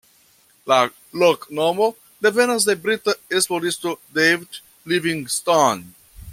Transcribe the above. La loknomo devenas de brita esploristo David Livingstone.